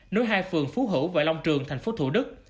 nối hai phường phú hữu và long trường tp thủ đức